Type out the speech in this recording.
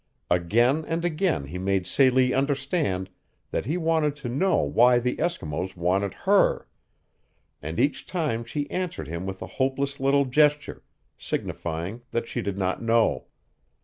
Again and again he made Celie understand that he wanted to know why the Eskimos wanted HER, and each time she answered him with a hopeless little gesture, signifying that she did not know.